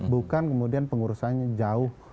bukan kemudian pengurusannya jauh